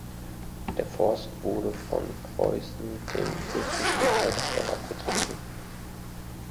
Der Forst wurde von Preußen dem Fürstentum Halberstadt abgetreten.